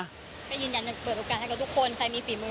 ก็ยืนยันจะเปิดโอกาสให้กับทุกคนใครมีฝีมือ